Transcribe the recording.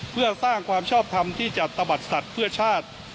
เพื่อสร้างความชอบทำที่จัดตะบัดสัตว์เพื่อชาติ